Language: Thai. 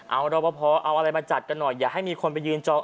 เอารอปภเอาอะไรมาจัดกันหน่อยอย่าให้มีคนไปยืนจอง